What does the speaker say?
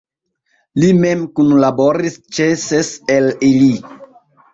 Li mem kunlaboris ĉe ses el ili.